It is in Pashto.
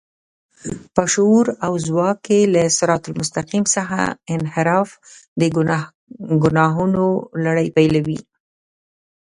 په شعور او ځواک کې له صراط المستقيم څخه انحراف د ګناهونو لړۍ پيلوي.